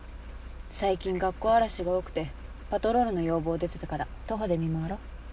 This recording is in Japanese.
最近学校荒らしが多くてパトロールの要望出てたから徒歩で見回ろう。